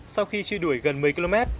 sau khi truy đuổi gần một mươi km